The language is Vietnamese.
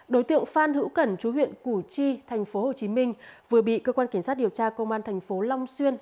đối tượng phan hữu cẩn chú huyện củ chi tp hcm vừa bị cơ quan kiến sát điều tra công an tp long xuyên